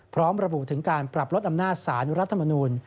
พร้อมระบุถึงการปรับลดอำนาจสารรัฐมนูล